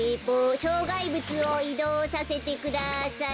しょうがいぶつをいどうさせてください。